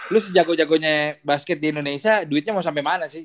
lo sejago jagonya basket di indonesia duitnya mau sampe mana sih